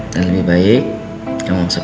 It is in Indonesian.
dan lebih baik kamu yang sebelas